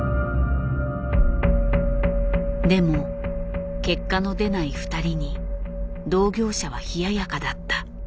でも結果の出ない２人に同業者は冷ややかだった。